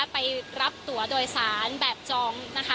ไปรับตัวโดยสารแบบจองนะคะ